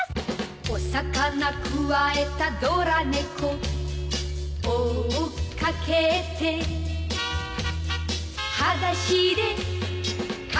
「お魚くわえたドラ猫」「追っかけて」「はだしでかけてく」